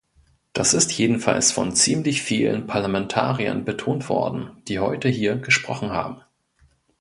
Das ist jedenfalls von ziemlich vielen Parlamentariern betont worden, die heute hier gesprochen haben.